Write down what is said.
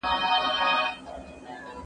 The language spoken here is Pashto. ورځ تیاره سوه توري وریځي سوې څرګندي